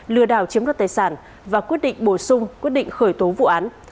lừa đảo chiếm đoạt tài sản và quyết định bổ sung quyết định khởi tố vụ án